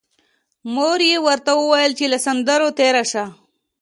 مور یې ورته ویل چې له سندرو تېر شه